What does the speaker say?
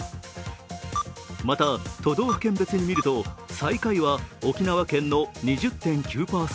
また、都道府県別に見ると最下位は沖縄県の２０．９％。